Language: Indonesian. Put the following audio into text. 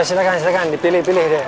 eh silakan silakan dipilih pilih deh